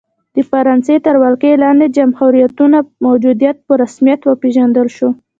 د فرانسې تر ولکې لاندې جمهوریتونو موجودیت په رسمیت وپېژندل شو.